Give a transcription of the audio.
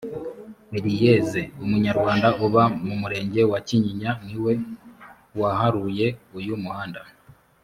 elieze umunyarwanda uba mu murenge wa kinyinya niwe waharuye uyu muhanda